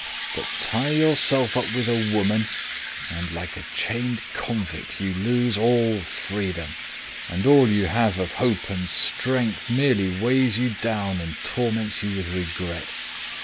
But tie yourself up with a woman and, like a chained convict, you lose all freedom! And all you have of hope and strength merely weighs you down and torments you with regret.